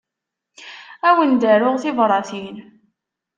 Ad wen-d-aruɣ tibratin.